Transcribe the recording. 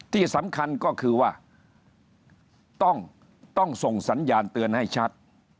ที่สำคัญก็คือว่าต้องส่งสัญญาณเตือนให้ชัด